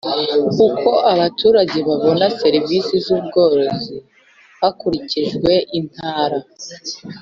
Uko abaturage babona serivisi z ubworozi hakurikijwe intara